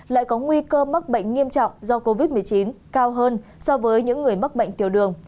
lại có nguy cơ mắc bệnh nghiêm trọng do covid một mươi chín cao hơn so với những người mắc bệnh tiểu đường